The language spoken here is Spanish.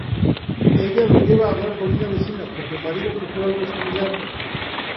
Ella los lleva a hablar con una vecina, cuyo marido sufrió algo similar.